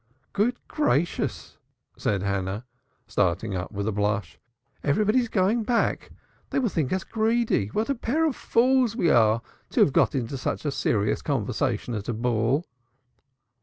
"Good gracious!" said Hannah, starting up with a blush. "Everybody's going back. They will think us greedy. What a pair of fools we are to have got into such serious conversation at a ball."